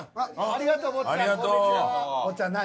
ありがとう。坊ちゃん何？